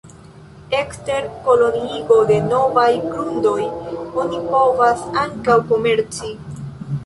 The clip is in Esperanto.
Ekster koloniigo de novaj grundoj oni povas ankaŭ komerci.